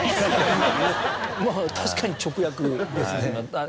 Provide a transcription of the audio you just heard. まぁ確かに直訳ですね。